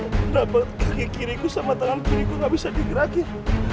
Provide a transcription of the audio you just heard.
kenapa kaki kiri sama tangan kiri gue nggak bisa digerakin